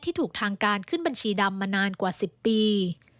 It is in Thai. ถูกทางการขึ้นบัญชีดำมานานกว่า๑๐ปี